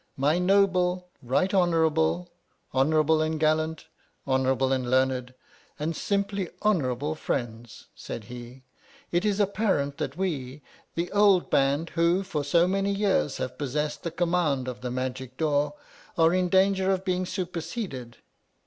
My noble, right honorable, honor able and gallant, honourable and learned, and simply honourable, friends, said he, it is appa rent that we, the old band who for so many years have possessed the command of the magic door, are in danger of being super seded.